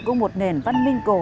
của một nền văn minh cổ rực rỡ